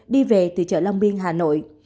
đi về từ chợ long biên hà nội